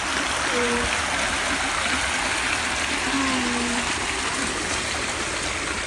The site was demolished and today is the Chapelizod Industrial Estate.